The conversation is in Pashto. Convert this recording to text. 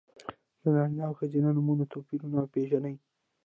د نارینه او ښځینه نومونو توپیرونه وپېژنئ!